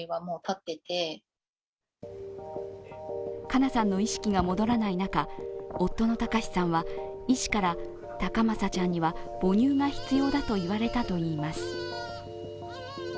かなさんの意識が戻らない中夫のたかしさんは、医師からたかまさちゃんには母乳が必要だと言われたといいます。